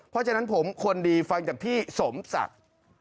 เพราะฉะนั้นผมคนดีฟังจากพี่สมศักดิ์